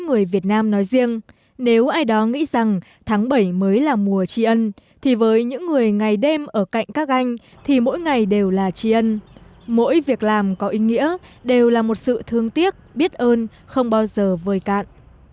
người việt nam nói riêng nếu ai đó nghĩ rằng tháng bảy mới là mùa tri ân thì với những người ngày đêm ở cạnh các anh thì mỗi ngày đều là tri ân mỗi việc làm có ý nghĩa đều là một sự thương tiếc biết ơn không bao giờ vơi cạn